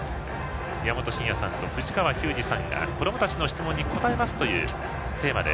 宮本慎也さんと藤川球児さんが子どもたちの質問に答えますというテーマで